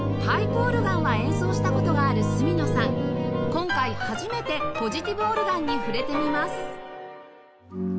今回初めてポジティブ・オルガンに触れてみます